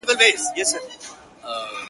په دې وطن كي نستــه بېـــله بنگه ككــرۍ,